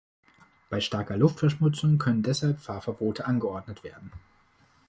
Bei starker Luftverschmutzung können deshalb Fahrverbote angeordnet werden.